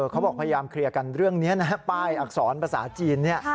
เขาบอกพยายามเคลียร์กันเรื่องนี้นะป้ายอักษรภาษาจีน